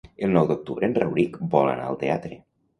El nou d'octubre en Rauric vol anar al teatre.